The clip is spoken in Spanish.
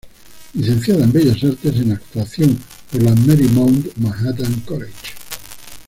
Licenciada en Bellas Artes en Actuación por la Marymount Manhattan College.